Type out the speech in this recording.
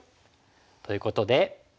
ということで。